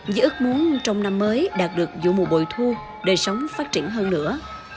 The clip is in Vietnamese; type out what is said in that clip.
với ước muốn trong năm mới đạt được vụ mùa bội thu đời sống phát triển hơn nữa